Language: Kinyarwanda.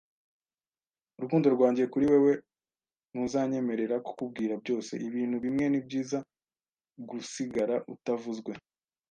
Urukundo rwanjye kuri wewe ntuzanyemerera kukubwira byose. Ibintu bimwe nibyiza gusigara utavuzwe.